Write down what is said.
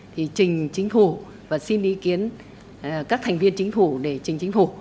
thì trình chính phủ và xin ý kiến các thành viên chính phủ để trình chính phủ